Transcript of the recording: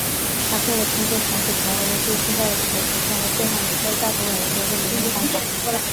哈特的工作从此成为了对现在有时称为费米哈特佯谬的大部分研究的理论参考。